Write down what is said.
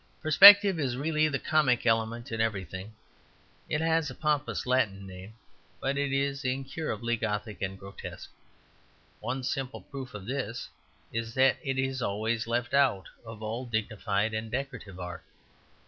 Perspective is really the comic element in everything. It has a pompous Latin name, but it is incurably Gothic and grotesque. One simple proof of this is that it is always left out of all dignified and decorative art.